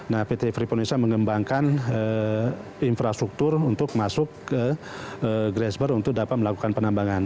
nah pt freeport indonesia mengembangkan infrastruktur untuk masuk ke grasberg untuk dapat melakukan penambangan